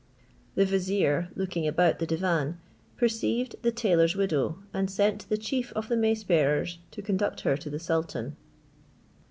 The vizier looking about the divan, perceived the tailor's widow, and sent the chief of the mace bearers to conduct her to the sultan.